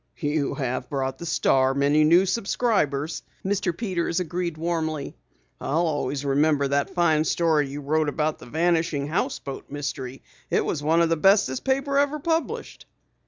"You have brought the Star many new subscribers," Mr. Peters agreed warmly. "I'll always remember that fine story you wrote about the Vanishing Houseboat Mystery. It was one of the best this paper ever published."